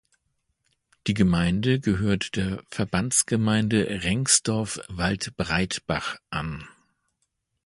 Die Gemeinde gehört der Verbandsgemeinde Rengsdorf-Waldbreitbach an.